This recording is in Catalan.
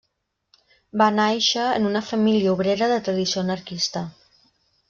Va nàixer en una família obrera de tradició anarquista.